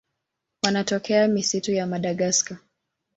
Wanatokea misitu ya Madagaska.